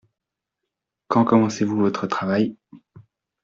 Quand commencez-vous votre travail ?